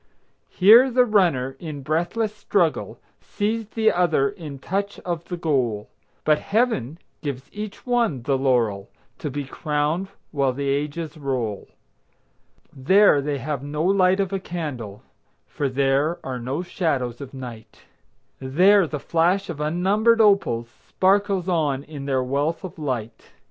Here the runner, in breathless struggle, Sees the other in touch of the goal; But Heaven gives each one the laurel, To be crowned while the ages roll. There they have no light of a candle, For there are no shadows of night. There the flash of unnumbered opals Sparkles on in their wealth of light.